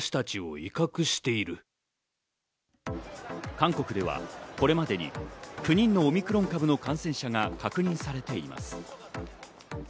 韓国ではこれまでに９人のオミクロン株の感染者が確認されています。